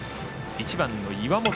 １番の岩本。